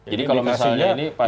jadi kalau misalnya ini pasti